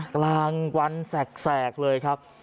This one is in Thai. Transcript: กลางวันแสกเลยครับ